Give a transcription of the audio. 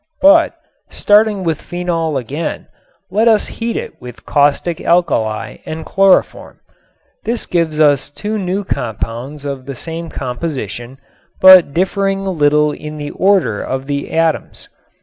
But, starting with phenol again, let us heat it with caustic alkali and chloroform. This gives us two new compounds of the same composition, but differing a little in the order of the atoms.